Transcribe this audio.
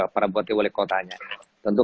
para bupati wali kotanya tentu